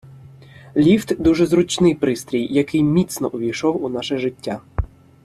Ліфт - дуже зручний пристрій, який міцно увійшов у наше життя.